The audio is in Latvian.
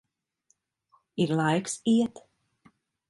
Ir laiks iet.